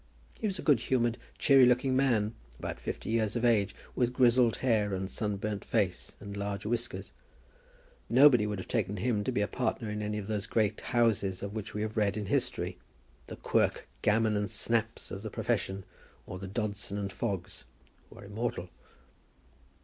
He was a good humoured, cheery looking man, about fifty years of age, with grizzled hair and sunburnt face, and large whiskers. Nobody would have taken him to be a partner in any of those great houses of which we have read in history, the Quirk, Gammon and Snaps of the profession, or the Dodson and Foggs, who are immortal.